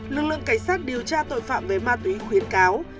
lực lượng cảnh sát điều tra tội phạm về ma túy khuyến cáo